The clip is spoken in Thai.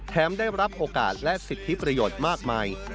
ได้รับโอกาสและสิทธิประโยชน์มากมาย